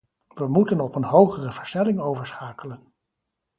We moeten op een hogere versnelling overschakelen.